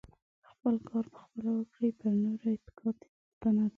خپل کار په خپله وکړئ پر نورو اتکا تيروتنه ده .